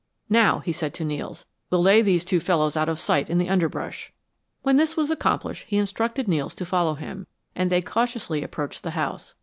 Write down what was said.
"Now," he said to Nels, "we'll lay these two fellows out of sight in the underbrush." When this was accomplished he instructed Nels to follow him, and they cautiously approached the house.